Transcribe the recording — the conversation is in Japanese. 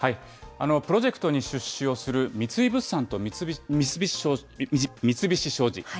プロジェクトに出資をする三井物産と三菱商事。